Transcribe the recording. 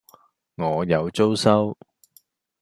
我有租收